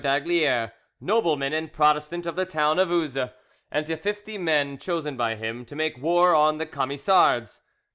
d'Aygaliers, nobleman and Protestant of the town of Uzes, and to fifty men chosen by him, to make war on the Camisards.